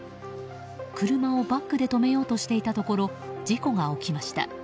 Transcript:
車をバックで止めようとしていたところ事故が起きました。